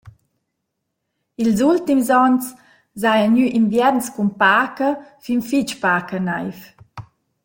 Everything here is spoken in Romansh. I’ls ultims ons s’haja gnü invierns cun paca fin fich paca naiv.